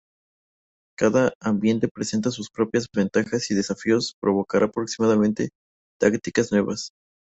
Cada ambiente presenta sus propias ventajas y desafíos y provocara aproximaciones tácticas nuevas.